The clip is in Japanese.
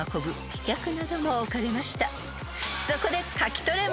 ［そこで］